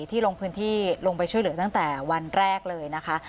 ลงพื้นที่ลงไปช่วยเหลือตั้งแต่วันแรกเลยนะคะ